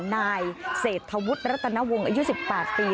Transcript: นายเศรษฐวุฒิรัตนวงศ์อายุ๑๘ปี